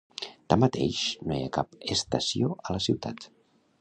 Tanmateix, no hi ha cap estació a la ciutat.